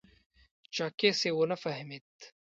چاکېس یې و نه فهمېد.